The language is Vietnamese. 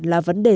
là vấn đề